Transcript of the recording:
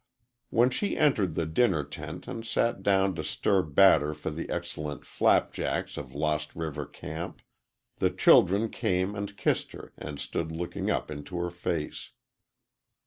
When she entered the dinner tent and sat down to stir batter for the excellent "flapjacks" of Lost River camp, the children came and kissed her and stood looking up into her face.